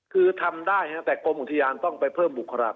คือทำได้แต่กรมอุทยานต้องไปเพิ่มบุคลาค